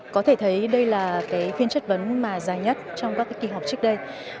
có thể thấy đây là cái phiên chất vấn mà dài nhất trong các kỳ họp trước đây